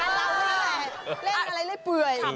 รัฐผู้ชอบต้องไม่พลาดกันนะครับเล่นอะไรเล่นเปื่อย